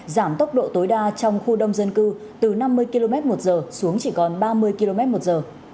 giảm tốc độ tối đa trong khu đông dân cư từ năm mươi km một giờ xuống chỉ còn ba mươi km một giờ